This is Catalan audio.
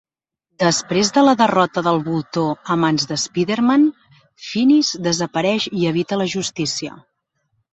Després de la derrota del Voltor a mans de Spider-Man, Phineas desapareix i evita la justícia.